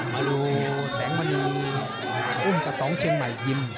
มาดูแสงมณีอุ้มกระต๋องเชียงใหม่ยิม